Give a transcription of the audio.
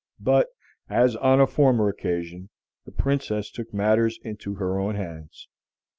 But, as on a former occasion, the Princess took matters into her own hands.